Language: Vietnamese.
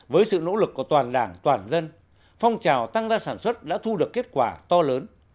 với sự nỗ lực của toàn đảng toàn dân phong trào tăng ra sản xuất đã thu được kết quả to lớn